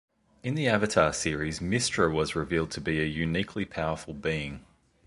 In the Avatar Series Mystra was revealed to be a uniquely powerful being.